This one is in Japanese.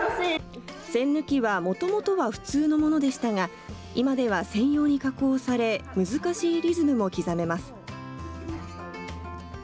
栓抜きはもともとは普通のものでしたが、今では専用に加工され、難しいリズムも刻めます。